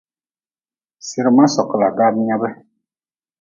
Sirma sKHkla daam nyab.